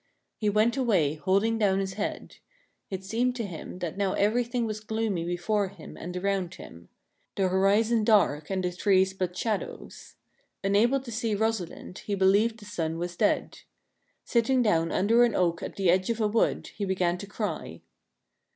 He went away, holding down his head. It seemed to him that now everything was gloomy before him and around him, — the horizon dark and the trees but shadows. Unable to see Rosalind, he believed the sun was dead. Sitting down under an oak at the edge of a wood, he began to cry.